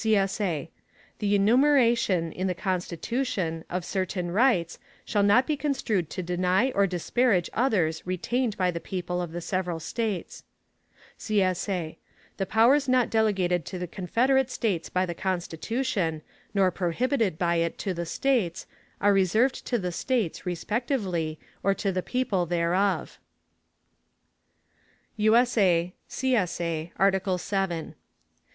[CSA] The enumeration, in the Constitution, of certain rights, shall not be construed to deny or disparage others retained by the people of the several States. [CSA] The powers not delegated to the Confederate States by the Constitution, nor prohibited by it to the States, are reserved to the States, respectively, or to the people thereof. [USA] ARTICLE VII. [CSA] ARTICLE VII.